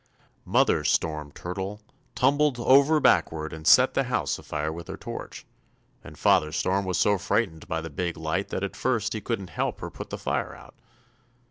"Mother Storm Turtle tumbled over backward and set the house afire with her torch, and Father Storm was so frightened by the big light that at first he couldn't help her put the fire out.